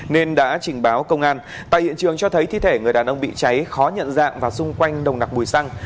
nên đã trình báo công an tại hiện trường cho thấy thi thể người đàn ông bị cháy khó nhận dạng và xung quanh đồng nạc mùi xăng